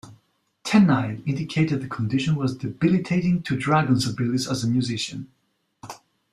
Tennille indicated the condition was debilitating to Dragon's abilities as a musician.